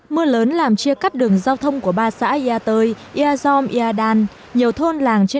mưa lớn làm chia cắt đường giao thông của ba xã ia tơi ia zom ia dan nhiều thôn làng trên